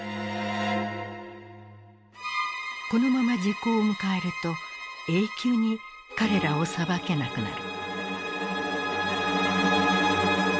このまま時効を迎えると永久に彼らを裁けなくなる。